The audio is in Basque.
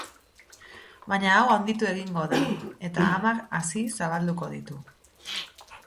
Baina hau handitu egingo da eta hamar hazizabalduko ditu.